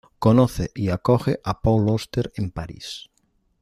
Conoce y acoge a Paul Auster en París.